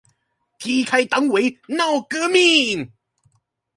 踢開黨委鬧革命